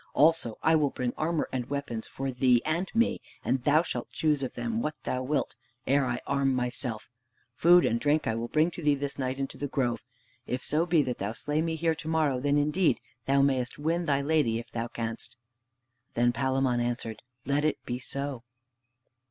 Also I will bring armor and weapons for thee and me, and thou shalt choose of them what thou wilt, ere I arm myself! Food and drink will I bring to thee this night into the grove. If so be that thou slay me here to morrow, then indeed thou mayest win thy lady if thou canst!" Then Palamon answered, "Let it be so."